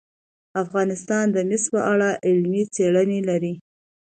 افغانستان د مس په اړه علمي څېړنې لري.